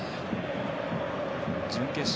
準決勝